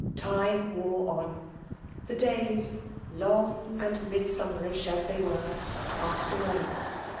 Time wore on. The days, long and Mid* summerish as they were> passed away.